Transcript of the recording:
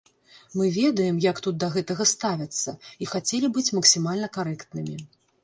Мы ведаем, як тут да гэтага ставяцца, і хацелі быць максімальна карэктнымі.